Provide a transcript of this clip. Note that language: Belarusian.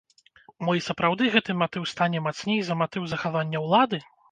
Мо і сапраўды гэты матыў стане мацней за матыў захавання ўлады?